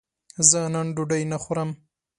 زه نن ډوډی نه خورم